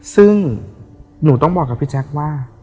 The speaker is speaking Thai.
ซึ่งหนูต้องบอกกับพี่แจ๊คว่า